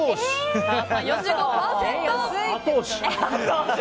設楽さん４５％！